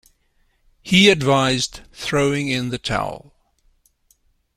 He advised throwing in the towel.